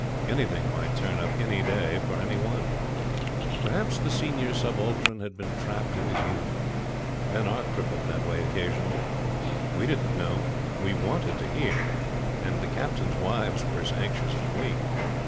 Anything might turn up any day for any one. Perhaps the Senior Subaltern had been trapped in his youth. Men are crippled that way occasionally. We didn't know; we wanted to hear; and the Captains' wives were as anxious as we.